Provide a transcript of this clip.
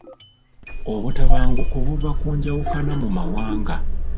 Obutabanguko buva ku njawukana mu mawanga.